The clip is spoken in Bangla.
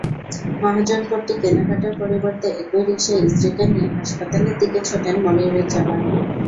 মহাজনপট্টি কেনাকাটার পরিবর্তে একই রিকশায় স্ত্রীকে নিয়ে হাসপাতালের দিকে ছোটেন মনিরুজ্জামান।